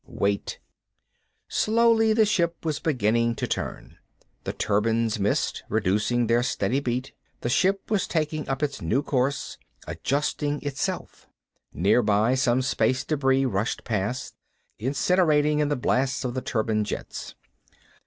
"Wait." Slowly, the ship was beginning to turn. The turbines missed, reducing their steady beat. The ship was taking up its new course, adjusting itself. Nearby some space debris rushed past, incinerating in the blasts of the turbine jets.